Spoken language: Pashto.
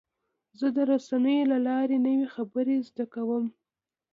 زه د رسنیو له لارې نوې خبرې زده کوم.